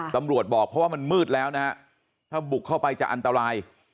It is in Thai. ตำรวจบอกเพราะว่ามันมืดแล้วนะฮะถ้าบุกเข้าไปจะอันตราย